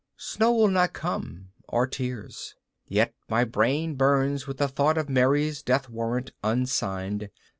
Snow will not come, or tears. Yet my brain burns with the thought of Mary's death warrant unsigned.